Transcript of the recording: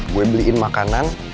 gue beliin makanan